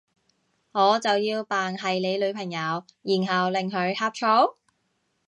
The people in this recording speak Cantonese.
我就要扮係你女朋友，然後令佢呷醋？